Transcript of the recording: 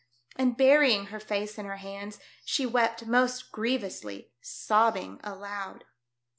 and burying her face in her hands she wept most grievously, sobbing aloud.